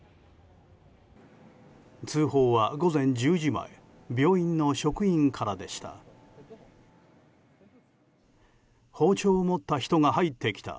通報は午前１０時前病院の職員からでした。